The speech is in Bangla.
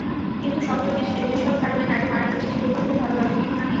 কিন্তু সহযোগী যেসব কারণে নারী মারা যাচ্ছে সেগুলোর খুব ভালো ব্যবস্থাপনা নেই।